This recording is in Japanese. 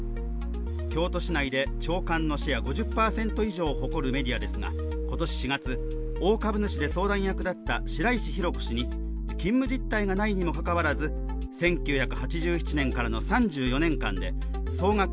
京都市内で朝刊のシェア５０％以上を誇るメディアですが、今年４月、大株主で相談役だった白石浩子氏に勤務実態がないにもかかわらず１９８７年からの３４年間で総額